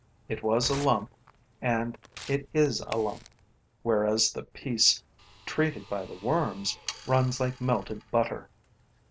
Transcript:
It was a lump and it is a lump, whereas the piece treated by the worms runs like melted butter.